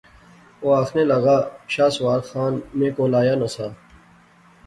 او آخنے لغا شاہ سوار خان میں کول آیا نہ سا